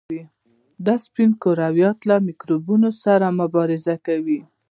دا سپین کرویات له میکروبونو سره مبارزه کوي.